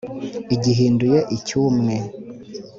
igihinduye icy’umwe,